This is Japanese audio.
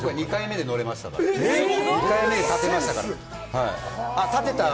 僕は２回目で出来ましたから。